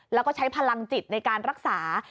แล้วก็ใช้พลังจิตในการรักษา